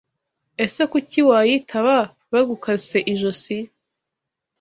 Ese kuki wayitaba bagukase ijosi?